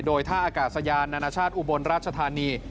โดยท่าอากาศยานนานาชาติอุบลราชธานี